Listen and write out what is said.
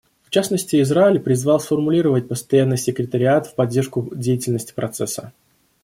В частности, Израиль призвал сформировать постоянный секретариат в поддержку деятельности Процесса.